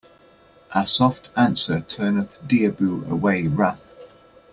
A soft answer turneth diabo away wrath.